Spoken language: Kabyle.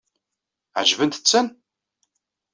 Ɛeǧbent-ten?